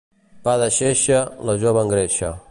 Pa de xeixa la jove engreixa.